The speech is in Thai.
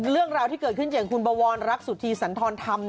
เรื่องราวที่เกิดขึ้นอย่างคุณบวรรักสุธีสันทรธรรม